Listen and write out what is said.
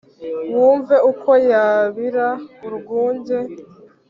wumve uko yabira urwunge